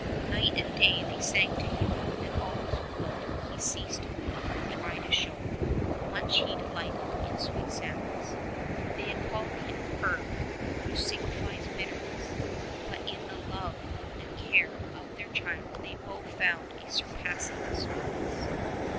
Night and day they sang to him and alwa3^s would he cease to weep and try to show how much he delighted in sweet sounds. They had called him Herve, which signifies bitterness, but in the love and care of their child they both found a surpassing sweetness.